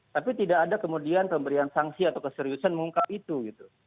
tapi tidak ada kemudian pemberian sanksi atau keseriusan mengungkap itu gitu